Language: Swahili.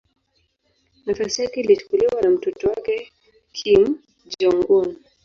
Nafasi yake ilichukuliwa na mtoto wake Kim Jong-un.